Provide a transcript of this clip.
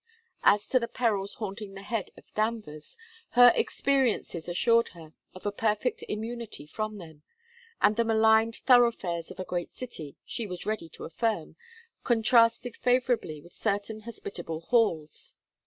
As to the perils haunting the head of Danvers, her experiences assured her of a perfect immunity from them; and the maligned thoroughfares of a great city, she was ready to affirm, contrasted favourably with certain hospitable halls.